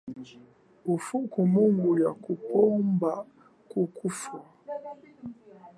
Ufuku munguya kupomba kukufa.